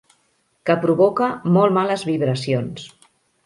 Que provoca molt males vibracions.